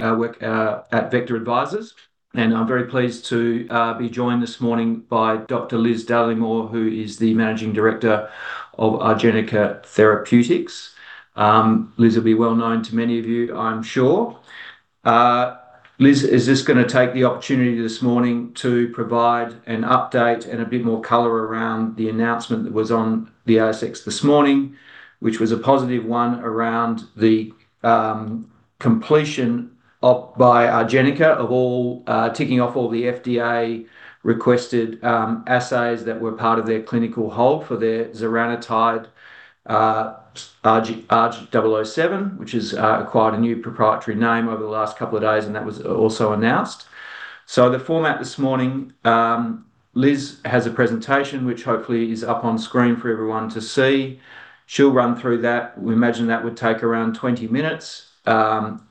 I work at VECTOR Advisors, and I'm very pleased to be joined this morning by Dr. Liz Dallimore, who is the Managing Director of Argenica Therapeutics. Liz will be well known to many of you, I'm sure. Liz is just going to take the opportunity this morning to provide an update and a bit more color around the announcement that was on the ASX this morning, which was a positive one around the completion by Argenica of ticking off all the FDA-requested assays that were part of their clinical hold for their xaranetide ARG-007, which has acquired a new proprietary name over the last couple of days, and that was also announced. The format this morning, Liz has a presentation, which hopefully is up on screen for everyone to see. She'll run through that. We imagine that would take around 20 minutes.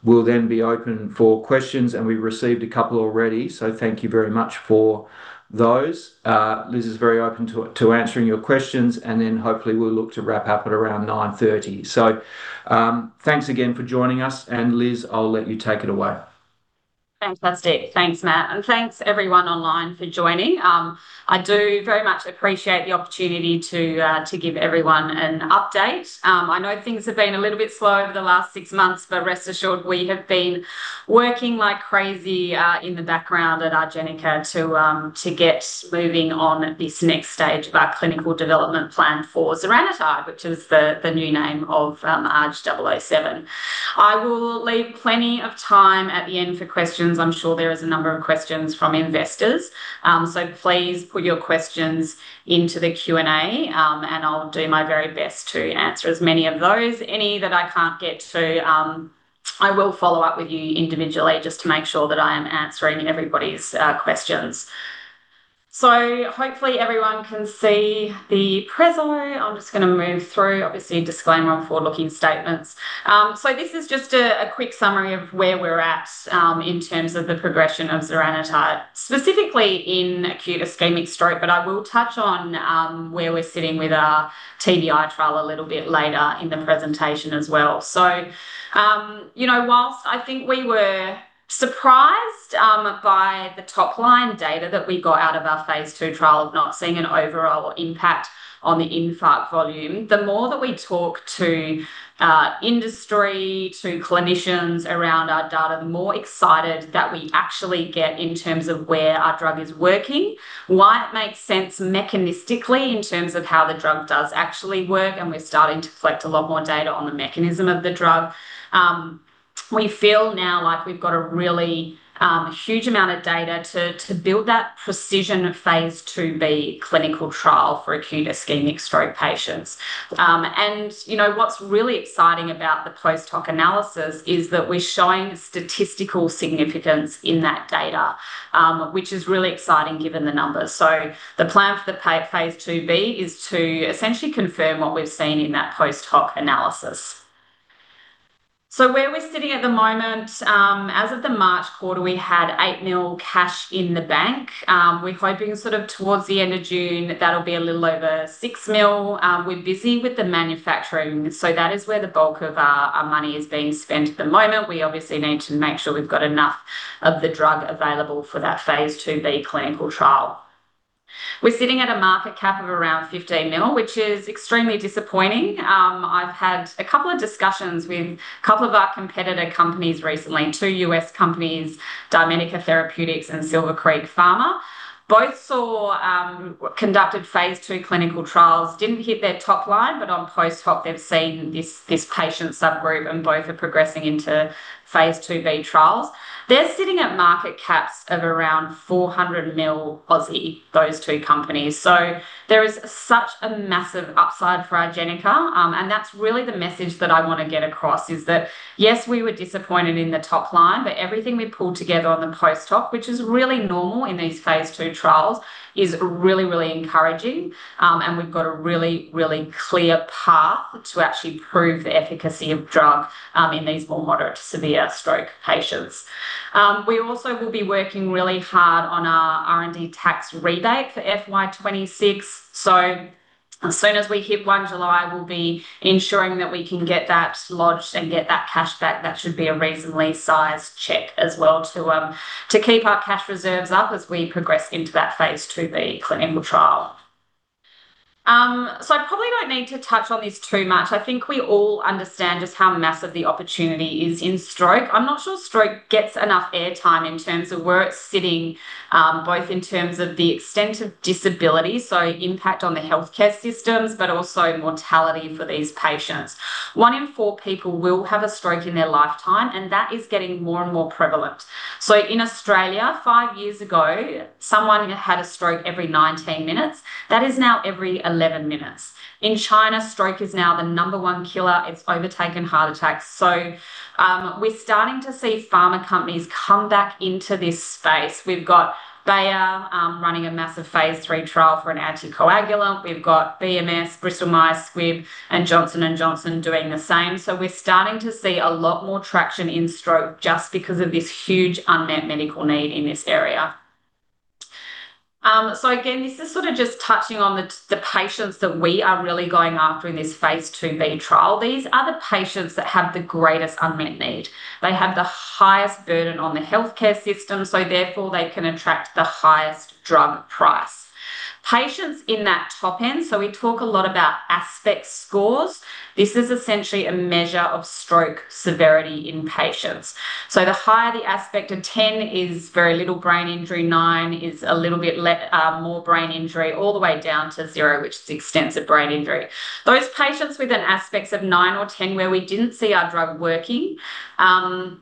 We'll then be open for questions. We received a couple already, so thank you very much for those. Liz is very open to answering your questions. Hopefully we'll look to wrap up at around 9:30. Thanks again for joining us. Liz, I'll let you take it away. Fantastic. Thanks, Matt, and thanks everyone online for joining. I do very much appreciate the opportunity to give everyone an update. I know things have been a little bit slow over the last six months, but rest assured we have been working like crazy in the background at Argenica to get moving on this next stage of our clinical development plan for xaranetide, which is the new name of ARG-007. I will leave plenty of time at the end for questions. I'm sure there is a number of questions from investors. Please put your questions into the Q&A, and I'll do my very best to answer as many of those. Any that I can't get to, I will follow up with you individually just to make sure that I am answering everybody's questions. Hopefully everyone can see the presentation. I'm just going to move through, obviously disclaimer on forward-looking statements. This is just a quick summary of where we're at in terms of the progression of xaranetide, specifically in acute ischemic stroke. I will touch on where we're sitting with our TBI trial a little bit later in the presentation as well. Whilst I think we were surprised by the top-line data that we got out of our phase II trial of not seeing an overall impact on the infarct volume, the more that we talk to industry, to clinicians around our data, the more excited that we actually get in terms of where our drug is working. Why it makes sense mechanistically in terms of how the drug does actually work, and we're starting to collect a lot more data on the mechanism of the drug. We feel now like we've got a really huge amount of data to build that precision of phase II-B clinical trial for acute ischemic stroke patients. What's really exciting about the post hoc analysis is that we're showing statistical significance in that data, which is really exciting given the numbers. The plan for the phase II-B is to essentially confirm what we've seen in that post hoc analysis. Where we're sitting at the moment, as of the March quarter, we had 8 million cash in the bank. We're hoping towards the end of June, that'll be a little over 6 million. We're busy with the manufacturing. That is where the bulk of our money is being spent at the moment. We obviously need to make sure we've got enough of the drug available for that phase II-B clinical trial. We're sitting at a market cap of around 15 million, which is extremely disappointing. I've had a couple of discussions with a couple of our competitor companies recently, two U.S. companies, DiaMedica Therapeutics and Silver Creek Pharma. Both conducted phase II clinical trials, didn't hit their top line, but on post hoc, they've seen this patient subgroup and both are progressing into phase II-B trials. They're sitting at market caps of around 400 million, those two companies. There is such a massive upside for Argenica. That's really the message that I want to get across is that, yes, we were disappointed in the top line, but everything we pulled together on the post hoc, which is really normal in these phase II trials, is really, really encouraging. We've got a really, really clear path to actually prove the efficacy of drug in these more moderate to severe stroke patients. We also will be working really hard on our R&D tax credit for FY 2026. As soon as we hit 1 July, we'll be ensuring that we can get that lodged and get that cash back. That should be a reasonably sized check as well to keep our cash reserves up as we progress into that phase II-B clinical trial. I probably don't need to touch on this too much. I think we all understand just how massive the opportunity is in stroke. I'm not sure stroke gets enough air time in terms of where it's sitting, both in terms of the extent of disability, so impact on the healthcare systems, but also mortality for these patients. One in four people will have a stroke in their lifetime, and that is getting more and more prevalent. In Australia, five years ago, someone had a stroke every 19 minutes. That is now every 11 minutes. In China, stroke is now the number one killer. It's overtaken heart attacks. We're starting to see pharma companies come back into this space. We've got Bayer running a massive phase III trial for an anticoagulant. We've got BMS, Bristol Myers Squibb, and Johnson & Johnson doing the same. We're starting to see a lot more traction in stroke just because of this huge unmet medical need in this area. Again, this is just touching on the patients that we are really going after in this phase II-B trial. These are the patients that have the greatest unmet need. They have the highest burden on the healthcare system, therefore they can attract the highest drug price. Patients in that top end. We talk a lot about ASPECTS scores. This is essentially a measure of stroke severity in patients. The higher the ASPECTS, a 10 is very little brain injury, nine is a little bit more brain injury, all the way down to zero, which is extensive brain injury. Those patients with an ASPECTS of nine or 10 where we didn't see our drug working,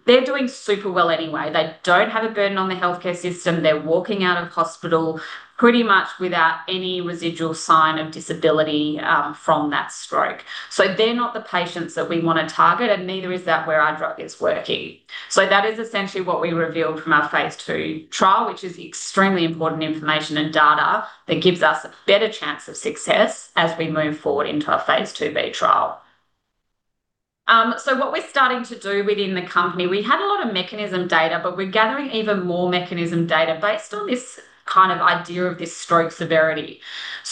they're doing super well anyway. They don't have a burden on the healthcare system. They're walking out of hospital pretty much without any residual sign of disability from that stroke. They're not the patients that we want to target, and neither is that where our drug is working. That is essentially what we revealed from our phase II trial, which is extremely important information and data that gives us a better chance of success as we move forward into our phase II-B trial. What we're starting to do within the company, we had a lot of mechanism data, but we're gathering even more mechanism data based on this idea of this stroke severity.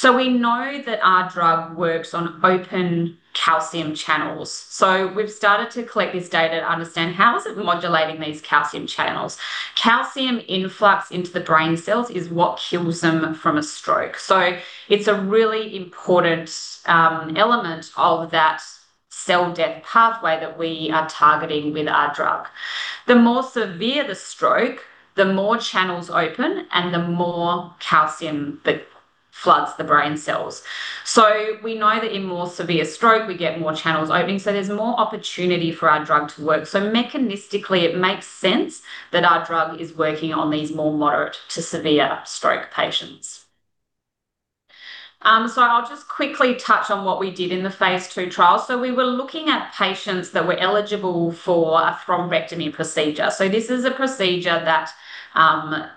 We know that our drug works on open calcium channels. We've started to collect this data to understand how is it modulating these calcium channels. Calcium influx into the brain cells is what kills them from a stroke. It's a really important element of that cell death pathway that we are targeting with our drug. The more severe the stroke, the more channels open, and the more calcium that floods the brain cells. We know that in more severe stroke, we get more channels opening, there's more opportunity for our drug to work. Mechanistically, it makes sense that our drug is working on these more moderate to severe stroke patients. I'll just quickly touch on what we did in the phase II trial. We were looking at patients that were eligible for a thrombectomy procedure. This is a procedure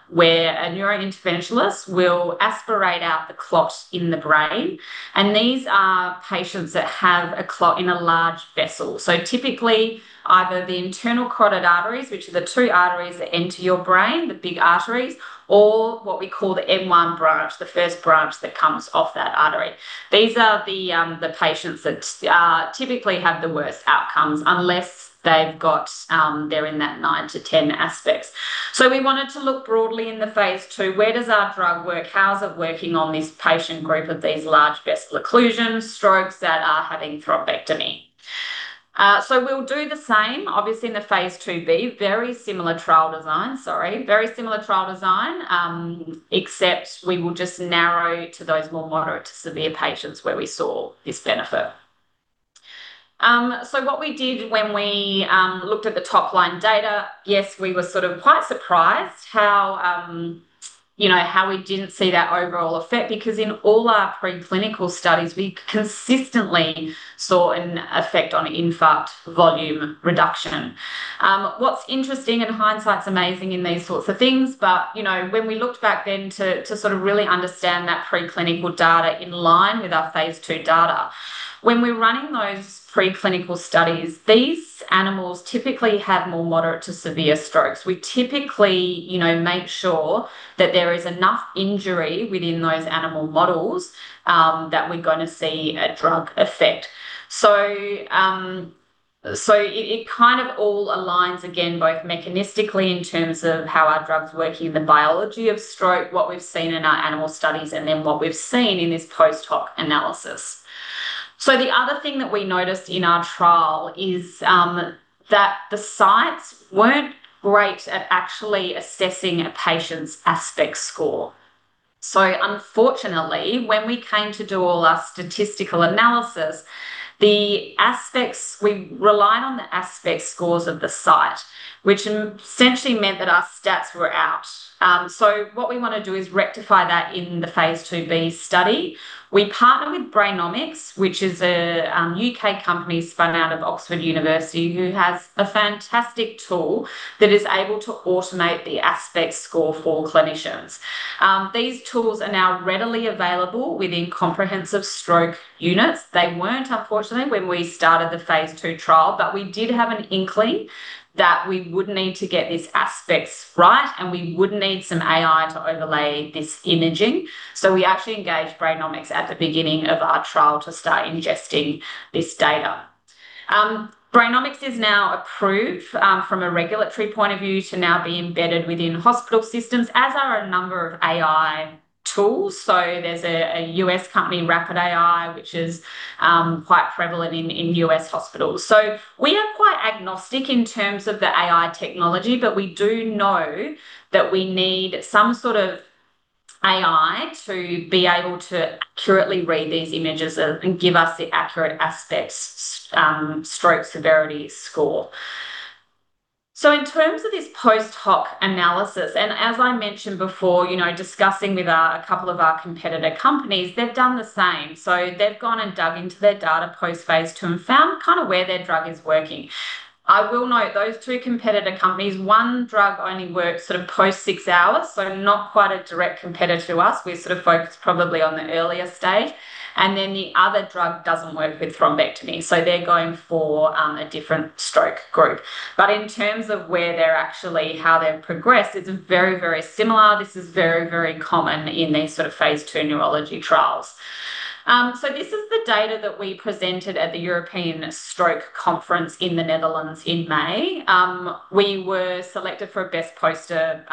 where a neurointerventionalist will aspirate out the clot in the brain, and these are patients that have a clot in a large vessel. Typically, either the internal carotid arteries, which are the two arteries that enter your brain, the big arteries, or what we call the M1 branch, the first branch that comes off that artery. These are the patients that typically have the worst outcomes unless they're in that 9-10 ASPECTS. We wanted to look broadly in the phase II, where does our drug work? How's it working on this patient group of these large vessel occlusion strokes that are having thrombectomy? We'll do the same, obviously, in the phase II-B, very similar trial design. Sorry. Very similar trial design, except we will just narrow to those more moderate to severe patients where we saw this benefit. What we did when we looked at the top-line data, yes, we were quite surprised how we didn't see that overall effect because in all our preclinical studies, we consistently saw an effect on infarct volume reduction. What's interesting, and hindsight's amazing in these sorts of things, but when we looked back then to really understand that preclinical data in line with our phase II data, when we're running those preclinical studies, these animals typically have more moderate to severe strokes. We typically make sure that there is enough injury within those animal models that we're going to see a drug effect. It all aligns again, both mechanistically in terms of how our drug's working, the biology of stroke, what we've seen in our animal studies, and then what we've seen in this post hoc analysis. The other thing that we noticed in our trial is that the sites weren't great at actually assessing a patient's ASPECTS score. Unfortunately, when we came to do all our statistical analysis, the ASPECTS, we relied on the ASPECTS scores of the site, which essentially meant that our stats were out. What we want to do is rectify that in the phase II-B study. We partner with Brainomix, which is a U.K. company spun out of Oxford University, who has a fantastic tool that is able to automate the ASPECTS score for clinicians. These tools are now readily available within comprehensive stroke units. They weren't, unfortunately, when we started the phase II trial, but we did have an inkling that we would need to get these ASPECTS right, and we would need some AI to overlay this imaging. We actually engaged Brainomix at the beginning of our trial to start ingesting this data. Brainomix is now approved from a regulatory point of view to now be embedded within hospital systems, as are a number of AI tools. There's a U.S. company, RapidAI, which is quite prevalent in U.S. hospitals. We are quite agnostic in terms of the AI technology, but we do know that we need some sort of AI to be able to accurately read these images and give us the accurate ASPECTS stroke severity score. In terms of this post hoc analysis, and as I mentioned before, discussing with a couple of our competitor companies, they've done the same. They've gone and dug into their data post phase II and found where their drug is working. I will note those two competitor companies, one drug only works post six hours, not quite a direct competitor to us. We're focused probably on the earlier stage. The other drug doesn't work with thrombectomy, they're going for a different stroke group. In terms of how they've progressed, it's very, very similar. This is very, very common in these sort of phase II neurology trials. This is the data that we presented at the European Stroke Conference in the Netherlands in May. We were selected for a best poster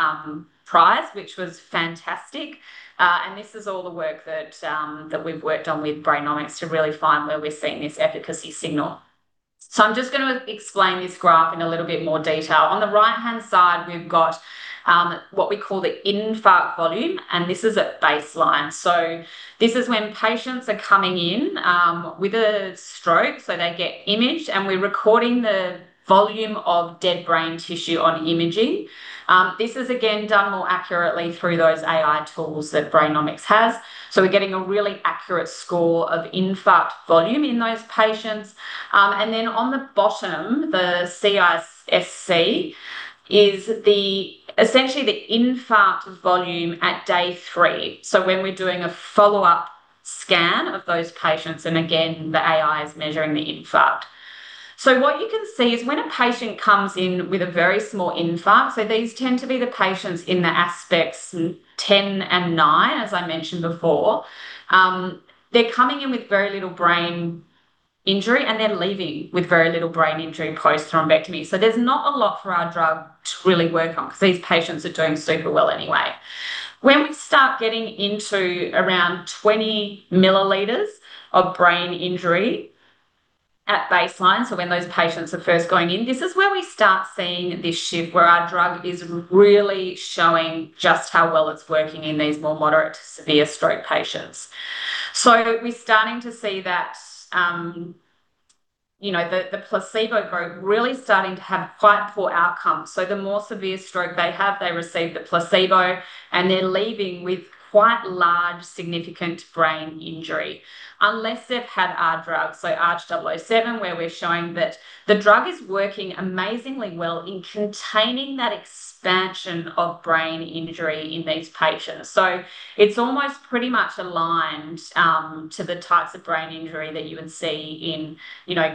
prize, which was fantastic. This is all the work that we've worked on with Brainomix to really find where we're seeing this efficacy signal. I'm just going to explain this graph in a little bit more detail. On the right-hand side, we've got what we call the infarct volume, and this is at baseline. This is when patients are coming in with a stroke, they get imaged, and we're recording the volume of dead brain tissue on imaging. This is again done more accurately through those AI tools that Brainomix has. We're getting a really accurate score of infarct volume in those patients. On the bottom, the CISC is essentially the infarct volume at day three, when we're doing a follow-up scan of those patients, and again, the AI is measuring the infarct. What you can see is when a patient comes in with a very small infarct, these tend to be the patients in the ASPECTS 10 and 9, as I mentioned before. They're coming in with very little brain injury, and they're leaving with very little brain injury post-thrombectomy. There's not a lot for our drug to really work on because these patients are doing super well anyway. When we start getting into around 20 ml of brain injury at baseline, when those patients are first going in, this is where we start seeing this shift where our drug is really showing just how well it's working in these more moderate to severe stroke patients. We're starting to see that the placebo group really starting to have quite poor outcomes. The more severe stroke they have, they receive the placebo, and they're leaving with quite large, significant brain injury, unless they've had our drug. ARG-007, where we're showing that the drug is working amazingly well in containing that expansion of brain injury in these patients. It's almost pretty much aligned to the types of brain injury that you would see in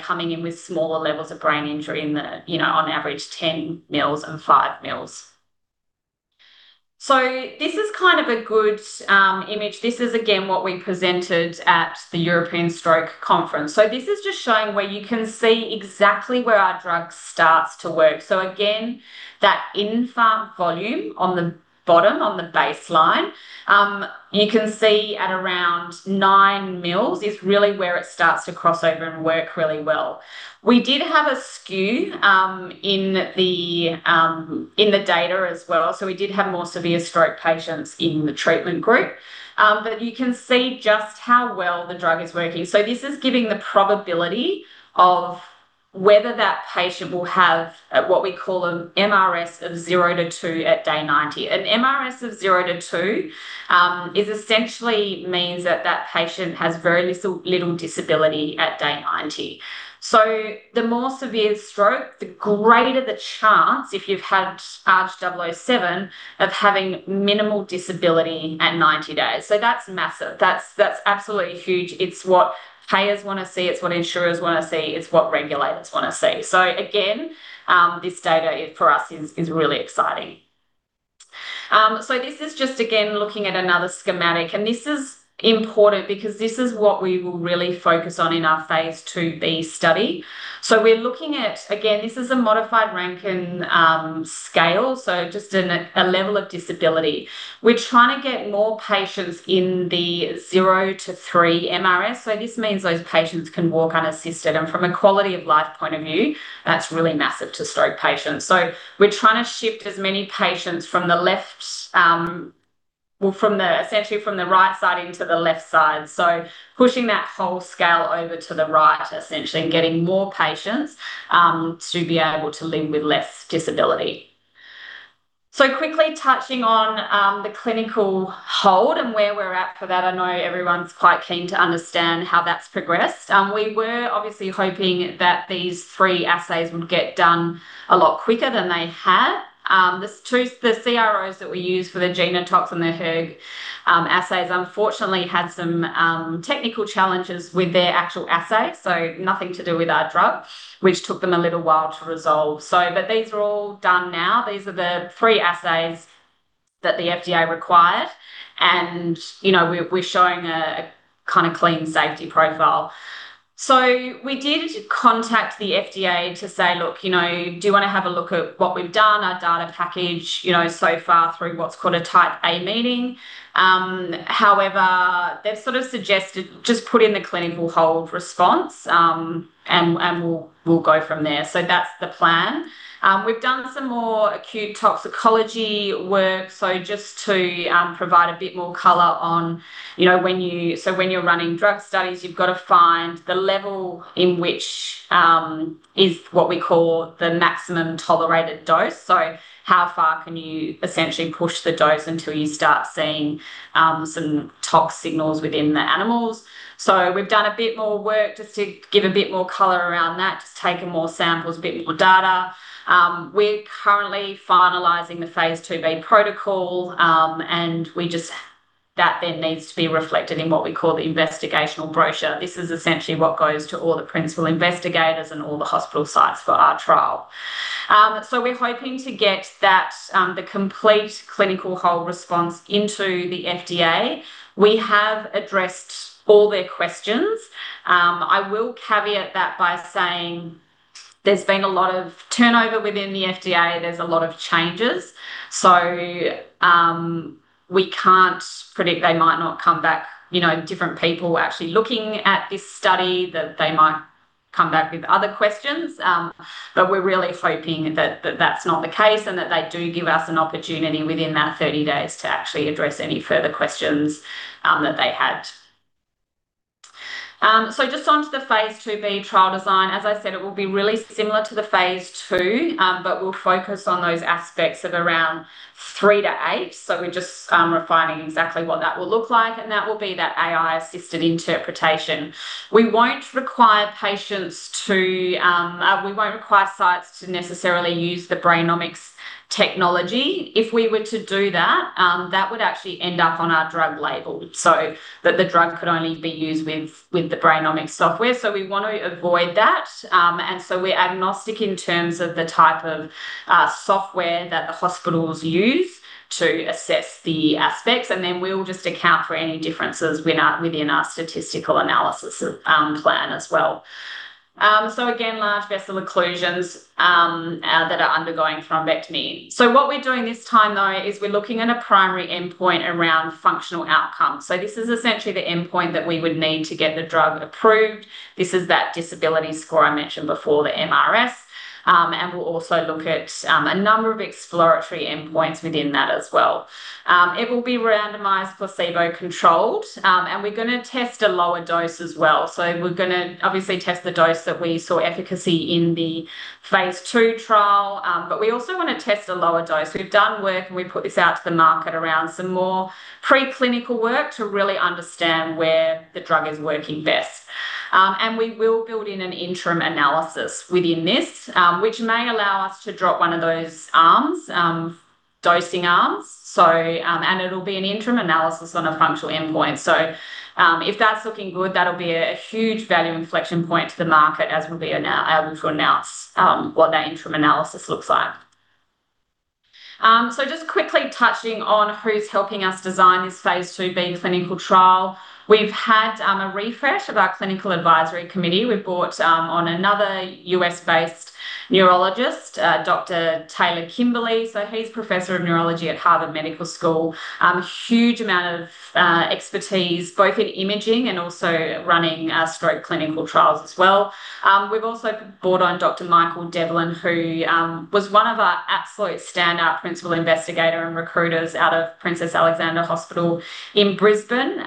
coming in with smaller levels of brain injury in the, on average, 10 ml and 5 ml. This is kind of a good image. This is, again, what we presented at the European Stroke Conference. This is just showing where you can see exactly where our drug starts to work. Again, that infarct volume on the bottom, on the baseline. You can see at around 9 ml is really where it starts to cross over and work really well. We did have a skew in the data as well. We did have more severe stroke patients in the treatment group. You can see just how well the drug is working. This is giving the probability of whether that patient will have what we call an mRS of zero to two at day 90. An mRS of zero to two essentially means that that patient has very little disability at day 90. The more severe stroke, the greater the chance, if you've had ARG-007, of having minimal disability at 90 days. That's massive. That's absolutely huge. It's what payers want to see, it's what insurers want to see, it's what regulators want to see. Again, this data for us is really exciting. This is just, again, looking at another schematic, and this is important because this is what we will really focus on in our phase II-B study. We're looking at, again, this is a modified Rankin Scale, just a level of disability. We're trying to get more patients in the zero to three mRS. This means those patients can walk unassisted, and from a quality of life point of view, that's really massive to stroke patients. We're trying to shift as many patients essentially from the right side into the left side. Pushing that whole scale over to the right, essentially, and getting more patients to be able to live with less disability. Quickly touching on the clinical hold and where we're at for that. I know everyone's quite keen to understand how that's progressed. We were obviously hoping that these three assays would get done a lot quicker than they have. The CROs that we use for the genotox and the hERG assays, unfortunately, had some technical challenges with their actual assay, nothing to do with our drug, which took them a little while to resolve. These are all done now. These are the three assays that the FDA required, and we're showing a kind of clean safety profile. We did contact the FDA to say, "Look, do you want to have a look at what we've done, our data package so far through what's called a Type A meeting?" They've sort of suggested just put in the clinical hold response, we'll go from there. That's the plan. We've done some more acute toxicology work. Just to provide a bit more color on, when you're running drug studies, you've got to find the level in which is what we call the maximum tolerated dose. How far can you essentially push the dose until you start seeing some tox signals within the animals. We've done a bit more work just to give a bit more color around that, just taken more samples, a bit more data. We're currently finalizing the phase II-B protocol. That then needs to be reflected in what we call the Investigator's Brochure. This is essentially what goes to all the principal investigators and all the hospital sites for our trial. We're hoping to get the complete clinical hold response into the FDA. We have addressed all their questions. I will caveat that by saying there's been a lot of turnover within the FDA, there's a lot of changes. We can't predict. They might not come back, different people are actually looking at this study, that they might come back with other questions. We're really hoping that that's not the case and that they do give us an opportunity within that 30 days to actually address any further questions that they had. Just onto the phase II-B trial design. As I said, it will be really similar to the phase II, we'll focus on those ASPECTS of around three to eight. We're just refining exactly what that will look like, and that will be that AI-assisted interpretation. We won't require sites to necessarily use the Brainomix technology. If we were to do that would actually end up on our drug label, that the drug could only be used with the Brainomix software. We want to avoid that. We're agnostic in terms of the type of software that the hospitals use to assess the ASPECTS, then we'll just account for any differences within our statistical analysis plan as well. Again, large vessel occlusions that are undergoing thrombectomy. What we're doing this time though, is we're looking at a primary endpoint around functional outcomes. This is essentially the endpoint that we would need to get the drug approved. This is that disability score I mentioned before, the mRS. We will also look at a number of exploratory endpoints within that as well. It will be randomized placebo-controlled, and we're going to test a lower dose as well. We're going to obviously test the dose that we saw efficacy in the phase II trial. We also want to test a lower dose. We've done work, and we put this out to the market around some more preclinical work to really understand where the drug is working best. We will build in an interim analysis within this, which may allow us to drop one of those dosing arms. It'll be an interim analysis on a functional endpoint. If that's looking good, that'll be a huge value inflection point to the market as we'll be able to announce what that interim analysis looks like. Just quickly touching on who's helping us design this phase II-B clinical trial. We've had a refresh of our clinical advisory committee. We've brought on another U.S.-based neurologist, Dr. Taylor Kimberly. He's Professor of Neurology at Harvard Medical School. Huge amount of expertise, both in imaging and also running stroke clinical trials as well. We've also brought on Dr. Michael Devlin, who was one of our absolute standout principal investigator and recruiters out of Princess Alexandra Hospital in Brisbane.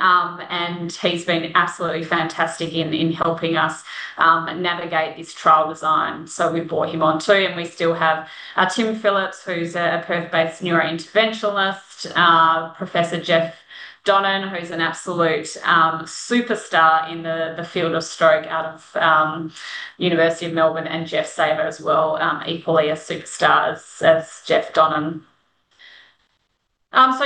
He's been absolutely fantastic in helping us navigate this trial design. We've brought him on too, and we still have Tim Phillips, who's a Perth-based neurointerventionalist. Professor Geoff Donnan, who's an absolute superstar in the field of stroke out of University of Melbourne, and Jeff Saver as well, equally a superstar as Geoff Donnan.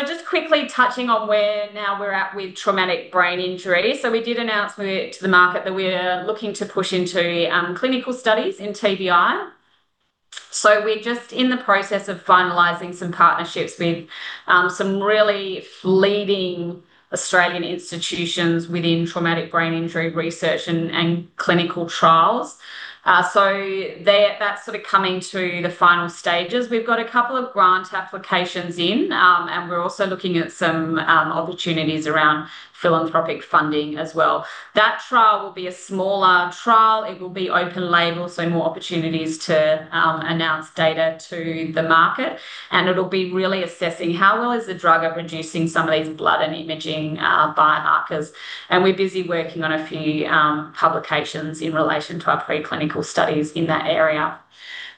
Just quickly touching on where now we're at with traumatic brain injury. We did announce to the market that we're looking to push into clinical studies in TBI. We're just in the process of finalizing some partnerships with some really leading Australian institutions within traumatic brain injury research and clinical trials. That's coming to the final stages. We've got a couple of grant applications in, and we're also looking at some opportunities around philanthropic funding as well. That trial will be a smaller trial. It will be open label, so more opportunities to announce data to the market, and it'll be really assessing how well is the drug at reducing some of these blood and imaging biomarkers. We're busy working on a few publications in relation to our preclinical studies in that area.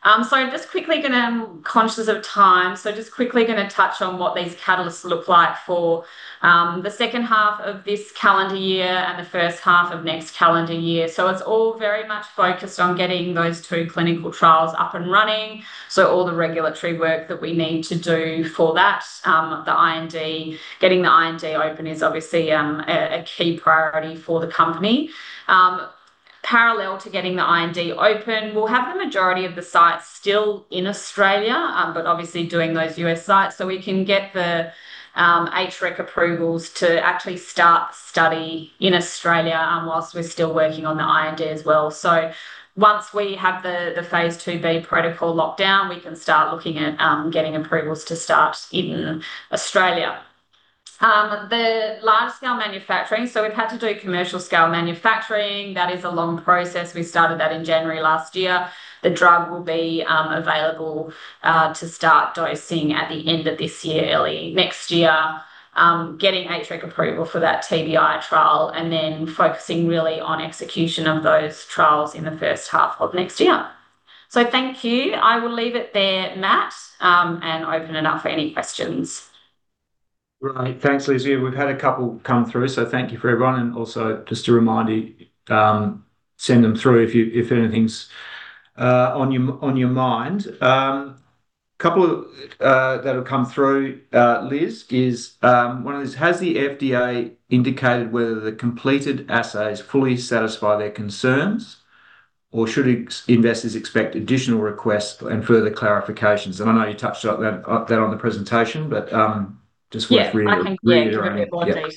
I'm conscious of time, just quickly going to touch on what these catalysts look like for the second half of this calendar year and the first half of next calendar year. It's all very much focused on getting those two clinical trials up and running. All the regulatory work that we need to do for that. The IND, getting the IND open is obviously a key priority for the company. Parallel to getting the IND open, we'll have the majority of the sites still in Australia, but obviously doing those U.S. sites so we can get the HREC approvals to actually start the study in Australia whilst we're still working on the IND as well. Once we have the phase II-B protocol locked down, we can start looking at getting approvals to start in Australia. The large-scale manufacturing. We've had to do commercial scale manufacturing. That is a long process. We started that in January last year. The drug will be available to start dosing at the end of this year, early next year. Getting HREC approval for that TBI trial, and then focusing really on execution of those trials in the first half of next year. Thank you. I will leave it there, Matt, and open it up for any questions. Right. Thanks, Liz. We've had a couple come through. Thank you for everyone. Also just a reminder, send them through if anything's on your mind. A couple that have come through, Liz, is one of these. Has the FDA indicated whether the completed assays fully satisfy their concerns, or should investors expect additional requests and further clarifications? I know you touched on that on the presentation, but just worth reiterating. I can go into a bit more detail.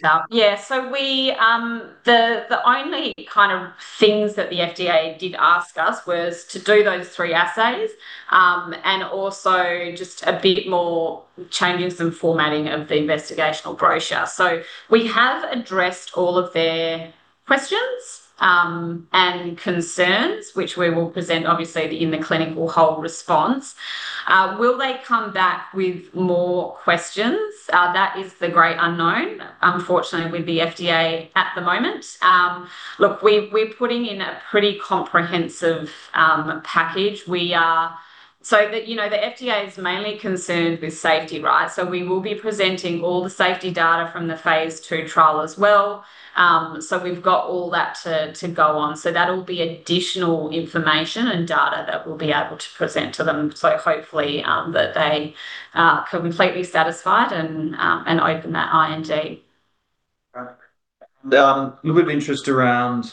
The only kind of things that the FDA did ask us was to do those three assays, and also just a bit more changes in formatting of the Investigator's Brochure. We have addressed all of their questions and concerns, which we will present obviously in the clinical hold response. Will they come back with more questions? That is the great unknown, unfortunately, with the FDA at the moment. Look, we're putting in a pretty comprehensive package. The FDA is mainly concerned with safety, right? We will be presenting all the safety data from the phase II trial as well. We've got all that to go on. That will be additional information and data that we'll be able to present to them. Hopefully, that they are completely satisfied and open that IND. Okay. A little bit of interest around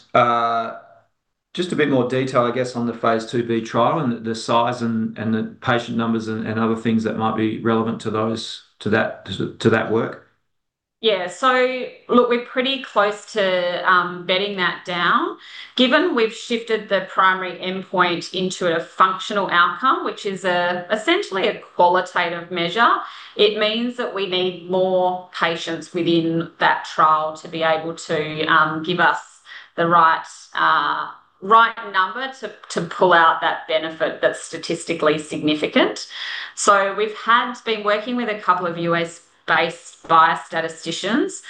just a bit more detail, I guess, on the phase II-B trial and the size and the patient numbers and other things that might be relevant to that work. Yeah. Look, we're pretty close to bedding that down. Given we've shifted the primary endpoint into a functional outcome, which is essentially a qualitative measure, it means that we need more patients within that trial to be able to give us the right number to pull out that benefit that's statistically significant. We've been working with a couple of U.S.-based biostatisticians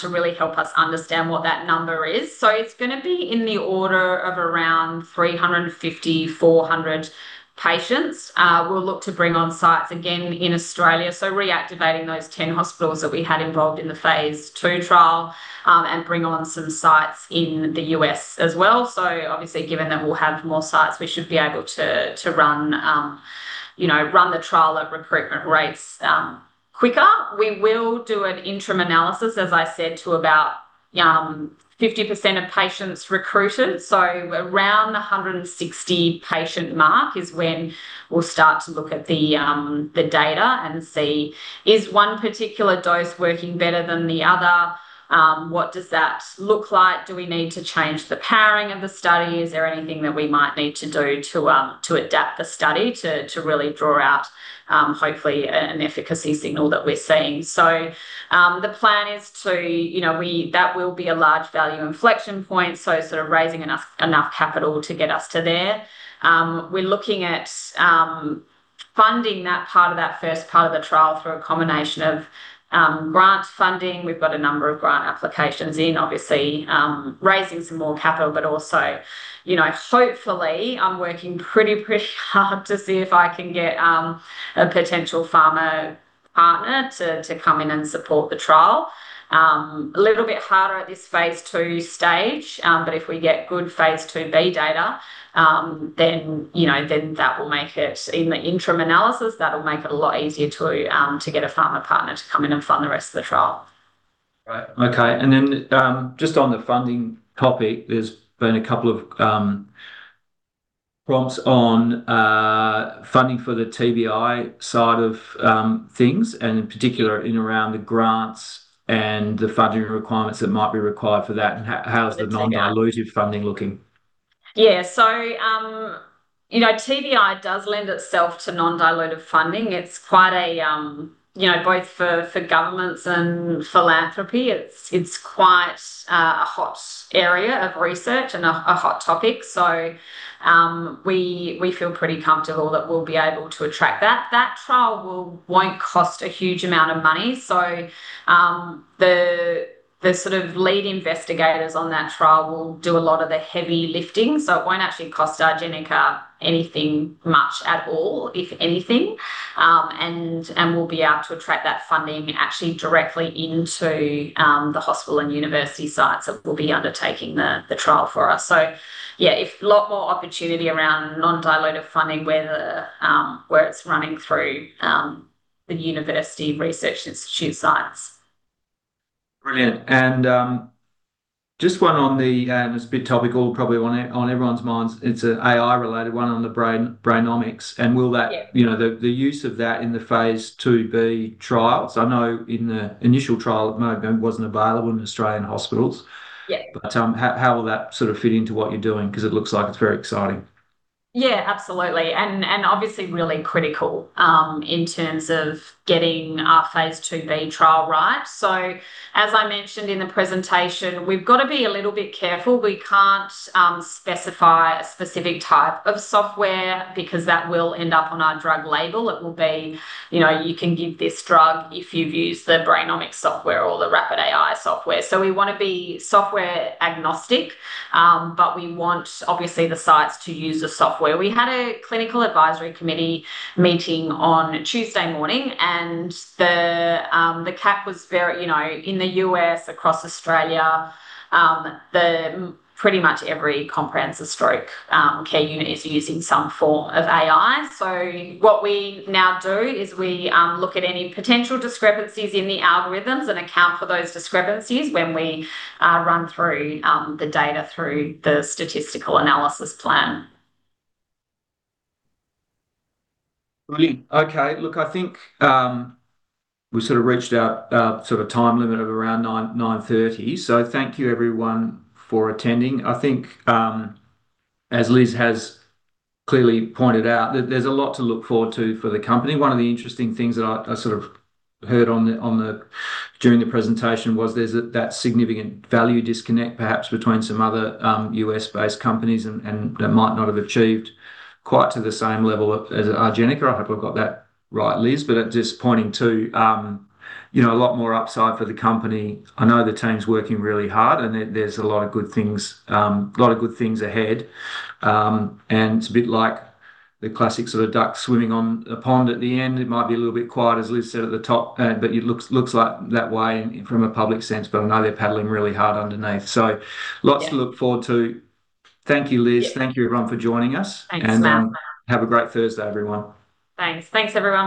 to really help us understand what that number is. It's going to be in the order of around 350, 400 patients. We'll look to bring on sites again in Australia, so reactivating those 10 hospitals that we had involved in the phase II trial, and bring on some sites in the U.S. as well. Obviously, given that we'll have more sites, we should be able to run the trial at recruitment rates quicker. We will do an interim analysis, as I said, to about 50% of patients recruited. Around the 160 patient mark is when we'll start to look at the data and see, is one particular dose working better than the other? What does that look like? Do we need to change the pairing of the study? Is there anything that we might need to do to adapt the study to really draw out, hopefully, an efficacy signal that we're seeing? That will be a large value inflection point, so sort of raising enough capital to get us to there. We're looking at funding that part of that first part of the trial through a combination of grants funding. We've got a number of grant applications in, obviously, raising some more capital. Hopefully, I'm working pretty hard to see if I can get a potential pharma partner to come in and support the trial. A little bit harder at this phase II stage. If we get good phase II-B data, in the interim analysis, that'll make it a lot easier to get a pharma partner to come in and fund the rest of the trial. Right. Okay. Just on the funding topic, there's been a couple of prompts on funding for the TBI side of things and in particular in around the grants and the funding requirements that might be required for that, how is the non-dilutive funding looking? TBI does lend itself to non-dilutive funding. Both for governments and philanthropy, it's quite a hot area of research and a hot topic. We feel pretty comfortable that we'll be able to attract that. That trial won't cost a huge amount of money. The sort of lead investigators on that trial will do a lot of the heavy lifting. It won't actually cost Argenica anything much at all, if anything. We'll be able to attract that funding actually directly into the hospital and university sites that will be undertaking the trial for us. A lot more opportunity around non-dilutive funding where it's running through the university research institute sites. Brilliant. Just one on the-- it's a bit topical, probably on everyone's minds. It's an AI-related one on the Brainomix. Yeah. The use of that in the phase II-B trials. I know in the initial trial it maybe wasn't available in Australian hospitals. Yeah. How will that sort of fit into what you're doing? It looks like it's very exciting. Absolutely. Obviously really critical in terms of getting our phase II-B trial right. As I mentioned in the presentation, we've got to be a little bit careful. We can't specify a specific type of software because that will end up on our drug label. It will be, you can give this drug if you've used the Brainomix software or the RapidAI software. We want to be software agnostic. We want, obviously, the sites to use the software. We had a clinical advisory committee meeting on Tuesday morning, and the cap was very in the U.S., across Australia, pretty much every comprehensive stroke care unit is using some form of AI. What we now do is we look at any potential discrepancies in the algorithms and account for those discrepancies when we run through the data through the statistical analysis plan. Brilliant. Okay. Look, I think I sort of reached our sort of time limit of around 9:30. Thank you, everyone, for attending. I think, as Liz has clearly pointed out, there's a lot to look forward to for the company. One of the interesting things that I sort of heard during the presentation was there's that significant value disconnect, perhaps between some other U.S.-based companies that might not have achieved quite to the same level as Argenica. I hope I've got that right, Liz. Just pointing to a lot more upside for the company. I know the team's working really hard, and there's a lot of good things ahead. It's a bit like the classic sort of duck swimming on a pond. At the end, it might be a little bit quiet, as Liz said, at the top, it looks that way from a public sense, I know they're paddling really hard underneath. Lots to look forward to. Thank you, Liz. Thank you, everyone for joining us. Thanks, Matt. Have a great Thursday, everyone. Thanks, everyone.